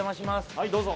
はいどうぞ。